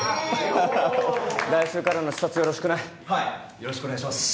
よろしくお願いします。